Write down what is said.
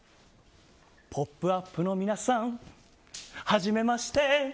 「ポップＵＰ！」の皆さんはじめまして。